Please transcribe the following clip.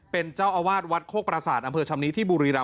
เป็นเจ้าอาวาสวัดโคกประสาทอำเภอชำนี้ที่บุรีรำ